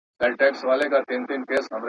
سبا به نه وي لکه نه وو زېږېدلی چنار.